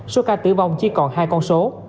số ca tử vong chỉ còn hai con số